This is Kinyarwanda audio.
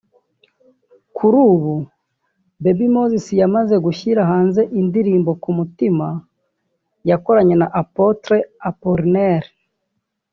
Kuri ubu Baby Moses yamaze gushyira hanze indirimbo 'Ku mutima' yakoranye na Apotre Apollinaire